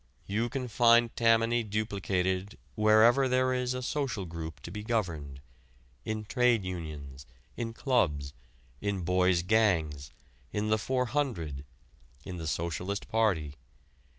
You can find Tammany duplicated wherever there is a social group to be governed in trade unions, in clubs, in boys' gangs, in the Four Hundred, in the Socialist Party.